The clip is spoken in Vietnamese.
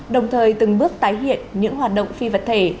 đồng thời từng bước tái hiện những hoạt động phi vật thể